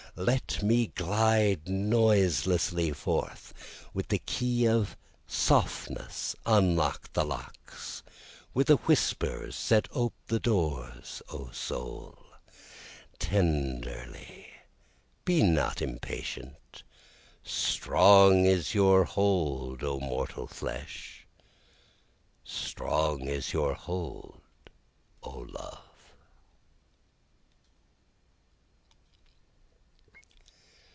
Let me glide noiselessly forth; With the key of softness unlock the locks with a whisper, Set ope the doors O soul. Tenderly be not impatient, (Strong is your hold O mortal flesh, Strong is your hold O love.)